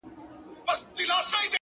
پخوا د كلي په گودر كي جـادو،